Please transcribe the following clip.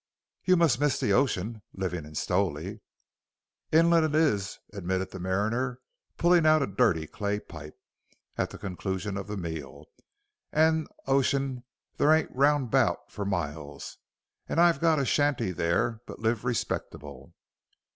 "You must miss the ocean, living at Stowley." "Inland it is," admitted the mariner, pulling out a dirty clay pipe, at the conclusion of the meal, "and ocean there ain't round about fur miles. But I've got a shanty there, and live respectable."